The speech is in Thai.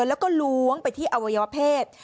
แล้วก็ล้วงไปที่อวัยวเพศ